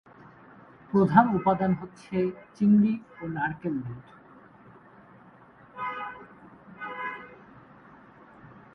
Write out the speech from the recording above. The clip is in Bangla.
প্রধান উপাদান হচ্ছে চিংড়ি ও নারকেল দুধ।